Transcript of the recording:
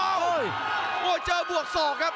โอ้ยโอ้ยเจอบวก๒ครับ